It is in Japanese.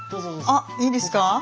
あっいいですか？